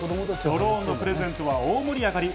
ドローンのプレゼントは大盛り上がり。